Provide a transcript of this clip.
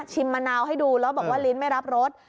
มะนาวให้ดูแล้วบอกว่าลิ้นไม่รับรส